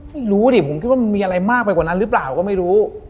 ไม่รู้ดิผมคิดว่ามันมีอะไรมากไปกว่านั้นหรือเปล่าก็ไม่รู้